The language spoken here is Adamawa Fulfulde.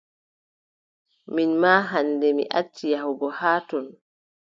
Min maa hannde mi acci yahugo haa ton.